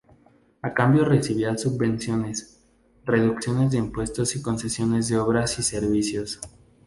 A cambio recibía subvenciones, reducciones de impuestos y concesiones de obras y servicios.